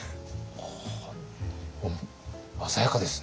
ほう鮮やかですね。